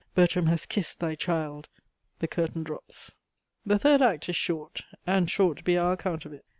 Bertram has kissed thy child," the curtain drops. The third act is short, and short be our account of it.